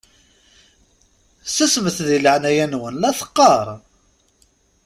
Susmet deg leɛnaya-nwen la teqqaṛ!